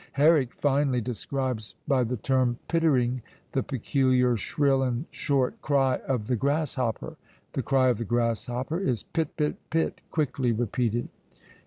Herrick finely describes by the term pittering the peculiar shrill and short cry of the grasshopper: the cry of the grasshopper is pit! pit! pit! quickly repeated.